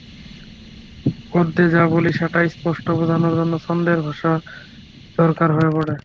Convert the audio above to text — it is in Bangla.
গদ্যে যা বলি সেটা স্পষ্ট বোঝাবার জন্যে ছন্দের ভাষ্য দরকার হয়ে পড়ে।